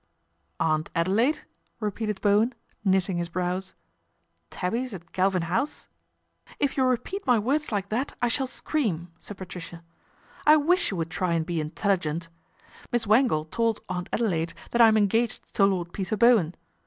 " Aunt Adelaide !" repeated Bowen, knitting his brows. " Tabbies at Galvin House !"" If you repeat my words like that I shall scream," said Patricia, " I wish you would try and be intelligent. Miss Wangle told Aunt Adelaide that I'm engaged to Lord Peter Bowen.